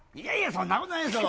そんなことないですよ